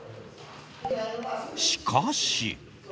しかし